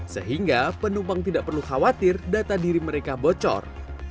sehingga penumpang tidak perlu khawatir data diri mereka bocor